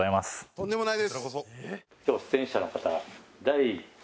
とんでもないです。